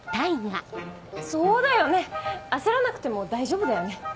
そうだよね焦らなくても大丈夫だよね。